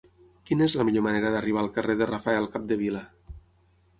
Quina és la millor manera d'arribar al carrer de Rafael Capdevila?